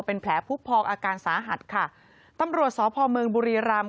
เป็นแผลผู้พองอาการสาหัสค่ะตำรวจสพเมืองบุรีรำ